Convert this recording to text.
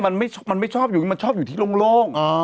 มันไม่ชอบอยู่มันชอบอยู่ที่โล่ง